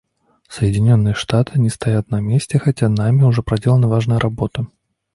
Соединенные Штаты не стоят на месте, хотя нами уже проделана важная работа.